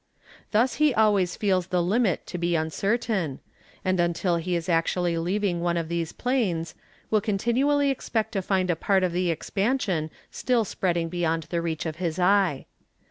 Thus he always feels the limit to be uncertain, and until he is actually leaving one of these plains, will continually expect to find a part of the expansion still spreading beyond the reach of his eye.